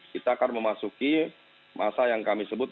kita akan memasuki masa yang kami sebut